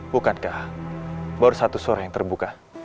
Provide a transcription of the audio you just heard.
bukankah baru satu suara yang terbuka